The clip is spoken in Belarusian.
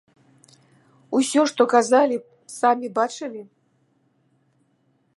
Усё, што казалі, самі бачылі?